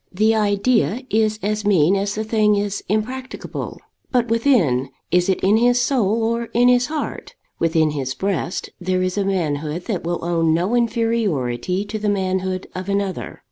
The idea is as mean as the thing is impracticable. But within, is it in his soul or in his heart? within his breast there is a manhood that will own no inferiority to the manhood of another.